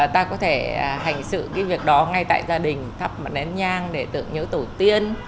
ta có thể hành sự cái việc đó ngay tại gia đình thắp một nén nhang để tưởng nhớ tổ tiên